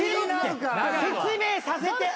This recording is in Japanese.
説明させて！